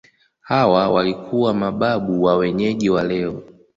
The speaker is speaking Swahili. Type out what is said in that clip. Hawa walikuwa mababu wa wenyeji wa leo.